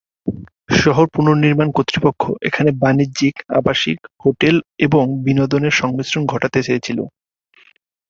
শহর পুনঃনির্মাণ কর্তৃপক্ষ এখানে বাণিজ্যিক, আবাসিক, হোটেল এবং বিনোদন এর সংমিশ্রণ ঘটাতে চেয়েছিল।